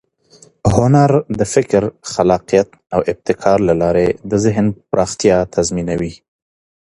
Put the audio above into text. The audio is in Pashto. هنر د فکر، خلاقیت او ابتکار له لارې د ذهن پراختیا تضمینوي.